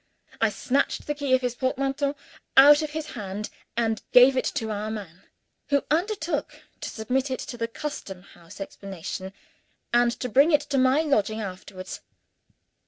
I snatched the key of his portmanteau out of his hand, and gave it to our man who undertook to submit it to the customhouse examination, and to bring it to my lodging afterwards.